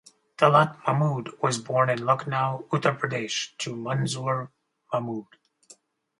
Talat Mahmood was born in Lucknow, Uttar Pradesh, to Manzoor Mahmood.